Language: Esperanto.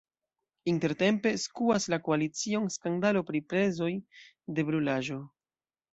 Intertempe skuas la koalicion skandalo pri prezoj de brulaĵo.